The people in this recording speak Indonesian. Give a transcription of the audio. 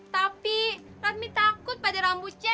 tapi ratni takut pada rambutnya